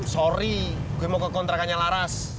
sorry gue mau ke kontrakannya laras